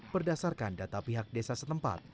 berdasarkan data pihak desa setempat